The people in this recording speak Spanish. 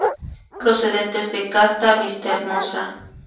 Procedentes de Casta Vistahermosa.